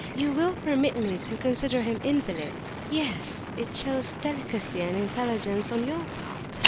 You will permit me to consider him an invalid?" "Yes, it shows delicacy and intelligence on your part."